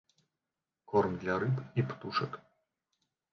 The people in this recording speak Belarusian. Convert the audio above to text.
Корм для рыб і птушак.